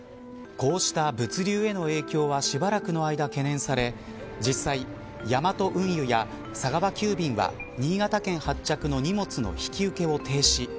こうした物流への影響はしばらくの間懸念され、実際ヤマト運輸や佐川急便は新潟県発着の荷物の引き受けを停止。